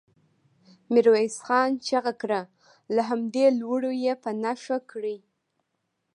ميرويس خان چيغه کړه! له همدې لوړو يې په نښه کړئ.